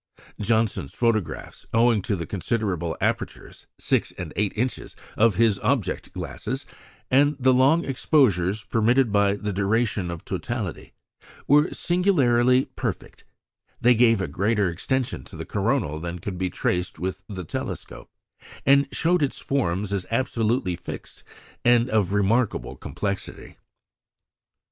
Janssen's photographs, owing to the considerable apertures (six and eight inches) of his object glasses, and the long exposures permitted by the duration of totality, were singularly perfect; they gave a greater extension to the coronal than could be traced with the telescope, and showed its forms as absolutely fixed and of remarkable complexity.